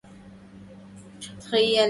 سلام على القدس الشريف ومن به